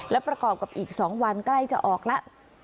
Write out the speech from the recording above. และประกอบกับอีก๒วันใกล้จะออกแล้ว